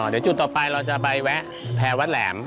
อยู่จุดต่อไปเราจะไปแวะแพงวัดแหลม